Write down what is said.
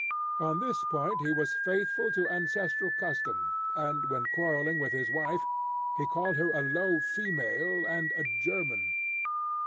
On this point he was faithful to ancestral custom; and when quarrelling with his wife, he called her a low female and a German.